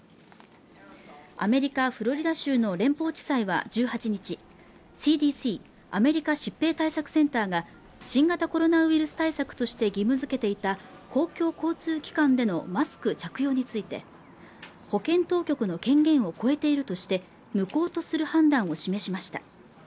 アメリカ・フロリダ州の連邦地裁は１８日ＣＤＣアメリカ疾病対策センターが新型コロナウイルス対策として義務づけていた公共交通機関でのマスク着用について保健当局の権限を超えているとして無効とする判断を示しました